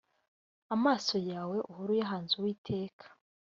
amaso yawe uhore uyahanze uwiteka